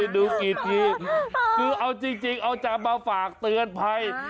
ดูกี่ทีคือเอาจริงเอาจำมาฝากเตือนภัย